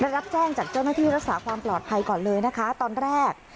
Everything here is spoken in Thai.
รับแจ้งจากเจ้าหน้าที่รักษาความปลอดภัยก่อนเลยนะคะตอนแรก